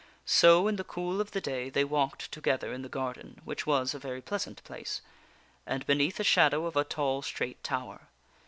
So, in the cool of the day, they walked together in the garden (which was a very pleasant place), and beneath the shadow of a tall, straight tower.